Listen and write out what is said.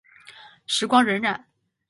时光荏苒。